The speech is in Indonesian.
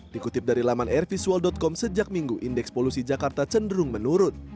dikutip dari laman airvisual com sejak minggu indeks polusi jakarta cenderung menurun